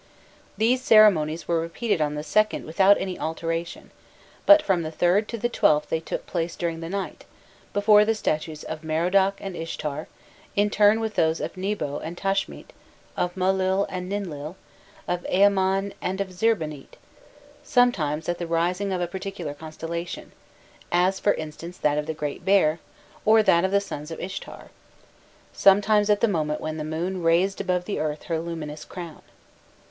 These ceremonies were repeated on the 2nd without any alteration, but from the 3rd to the 12th they took place during the night, before the statues of Merodach and Ishtar, in turn with those of Nebo and Tashmit, of Mullil and Ninlil, of Eamman and of Zirbanit; sometimes at the rising of a particular constellation as, for instance, that of the Great Bear, or that of the sons of Ishtar; sometimes at the moment when the moon "raised above the earth her luminous crown."